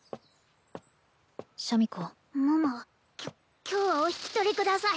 シャミ子桃きょ今日はお引き取りください